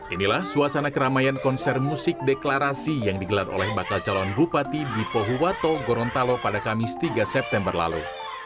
inilah suasana keramaian konser musik deklarasi yang digelar oleh bakal calon bupati bipo huwato gorontalo pada kamis tiga september lalu